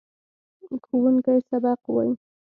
ښوونکی سبق وايي.